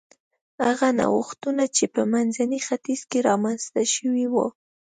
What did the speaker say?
هغه نوښتونه چې په منځني ختیځ کې رامنځته شوي و